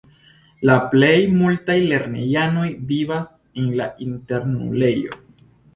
La plej multaj lernejanoj vivas en la internulejo.